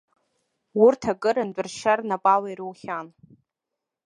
Урҭ акырынтә ршьа рнапала ирухьан.